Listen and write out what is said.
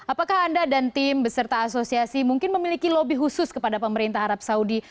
apakah anda dan tim beserta asosiasi mungkin memiliki lobby khusus kepada pemerintah arab saudi